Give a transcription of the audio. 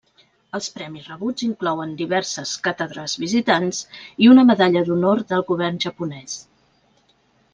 Els premis rebuts inclouen diverses càtedres visitants i una Medalla d'Honor del govern japonès.